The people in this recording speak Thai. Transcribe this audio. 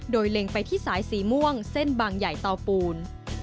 โดยเล็งไปที่สายสีม่วงเส้นบางใหญ่เตาปูน